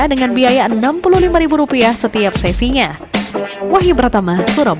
dengan biaya rp enam puluh lima setiap sesinya